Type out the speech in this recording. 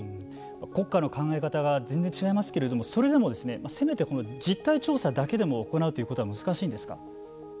国家の考え方が全然違いますけれどもそれでも、せめてこの実態調査だけでも行うということは難しいんですか。